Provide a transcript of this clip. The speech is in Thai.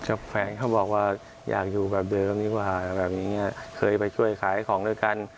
กับแฟนเขาบอกว่าอยากอยู่แบบเดิมที่บ้างอยากไปช่วยขายของด้วยกัน